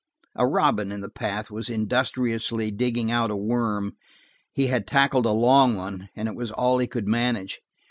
A robin in the path was industriously digging out a worm; he had tackled a long one, and it was all he could manage.